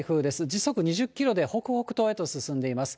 時速２０キロで北北東へと進んでいます。